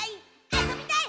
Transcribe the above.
あそびたい！」